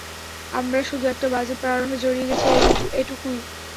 আমরা শুধু একটা বাজে প্রারম্ভে জড়িয়ে গেছি, এটুকুই।